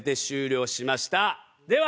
では